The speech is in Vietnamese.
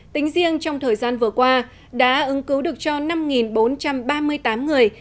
tính riêng trong thời gian vừa qua đã ứng cứu được cho năm bốn trăm ba mươi tám người